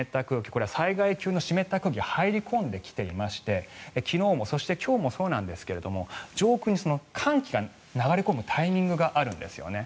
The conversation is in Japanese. これは災害級の湿った空気が入り込んできていまして昨日もそして今日もそうなんですが上空に寒気が流れ込むタイミングがあるんですよね。